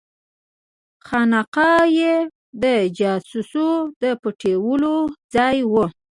خانقاه یې د جواسیسو د پټېدلو ځای وو.